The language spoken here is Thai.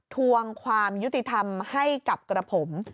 ทวงความยุติธรรมให้กับกระผม